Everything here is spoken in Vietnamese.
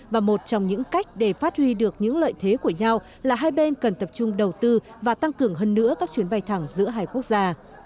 và một trong những cách để phát huy được những lợi thế của nhau là hai bên cần tập trung đầu tư và tăng cường hơn nữa các chuyến bay thẳng giữa hai quốc gia